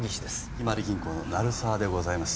ひまわり銀行の成沢でございます